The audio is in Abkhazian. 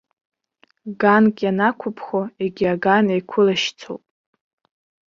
Ганк ианақәыԥхо, егьи аган еиқәылашьцоуп.